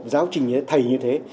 giáo trình như thế thầy như thế